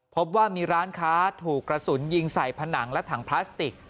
พบว่ามีร้านค้าถูกกระสุนยิงใส่ผนังและถังพลาสติก